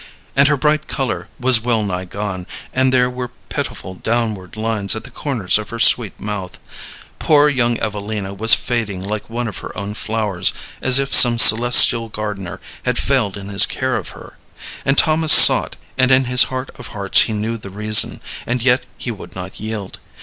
And her bright color was wellnigh gone, and there were pitiful downward lines at the corners of her sweet mouth. Poor young Evelina was fading like one of her own flowers, as if some celestial gardener had failed in his care of her. And Thomas saw it, and in his heart of hearts he knew the reason, and yet he would not yield.